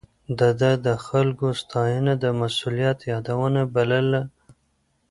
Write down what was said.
ده د خلکو ستاينه د مسؤليت يادونه بلله.